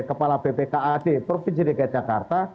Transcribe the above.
kepala bpkad provinsi dki jakarta